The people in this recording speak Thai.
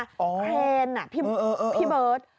คเลน้นพี่เบิ้ท